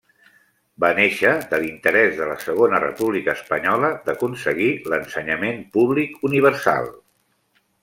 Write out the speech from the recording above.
Va néixer de l'interès de la Segona República Espanyola d'aconseguir l'ensenyament públic universal.